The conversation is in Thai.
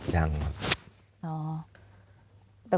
ยังครับ